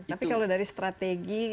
tapi kalau dari strategi